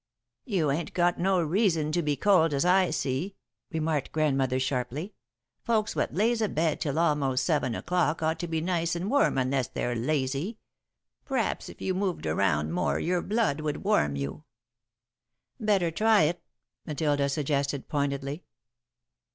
"You ain't got no reason to be cold, as I see," remarked Grandmother, sharply. "Folks what lays abed till almost seven o'clock ought to be nice and warm unless they're lazy. P'r'aps if you moved around more, your blood would warm you." "Better try it," Matilda suggested, pointedly.